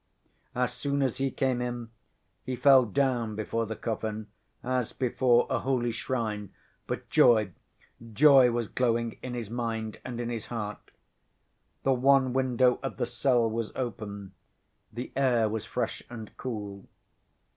As soon as he came in, he fell down before the coffin as before a holy shrine, but joy, joy was glowing in his mind and in his heart. The one window of the cell was open, the air was fresh and cool.